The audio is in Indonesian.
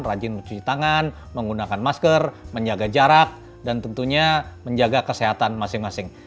rajin mencuci tangan menggunakan masker menjaga jarak dan tentunya menjaga kesehatan masing masing